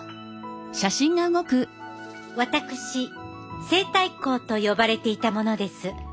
私西太后と呼ばれていた者です。